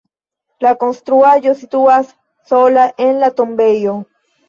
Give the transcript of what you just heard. La konstruaĵo situas sola en la tombejo.